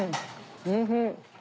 おいしい。